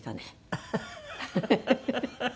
ハハハハ。